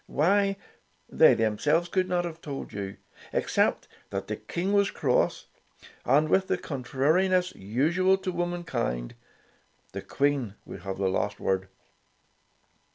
Why, they themselves could not have told you, except that the King was cross, and with the contrariness usual to womankind, the Queen would have the last word.